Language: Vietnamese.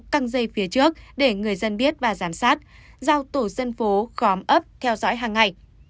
căng dây phía trước để người dân biết và giám sát giao tổ dân phố khóm ấp theo dõi hàng ngày